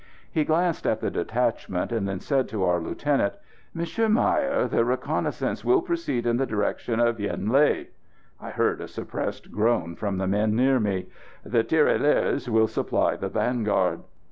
He glanced at the detachment, and then said to our lieutenant: "Monsieur Meyer, the reconnaissance will proceed in the direction of Yen Lé." (I heard a suppressed groan from the men near me.) "The Tirailleurs will supply the vanguard."